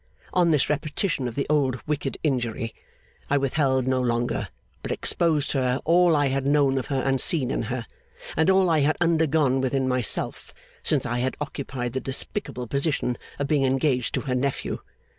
On this repetition of the old wicked injury, I withheld no longer, but exposed to her all I had known of her and seen in her, and all I had undergone within myself since I had occupied the despicable position of being engaged to her nephew.